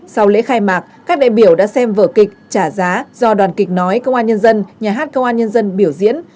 sau lễ khai mạc các đại biểu đã xem vở kịch trả giá do đoàn kịch nói công an nhân dân nhà hát công an nhân dân biểu diễn